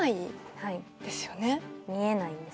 はい見えないんです